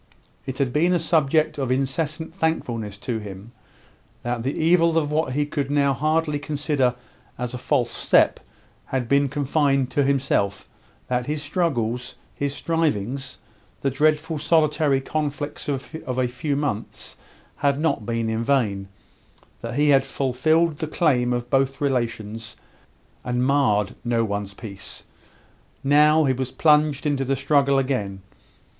It had been a subject of incessant thankfulness to him, that the evil of what he could now hardly consider as a false step had been confined to himself that his struggles, his strivings, the dreadful solitary conflicts of a few months, had not been in vain; that he had fulfilled the claims of both relations, and marred no one's peace. Now, he was plunged into the struggle again.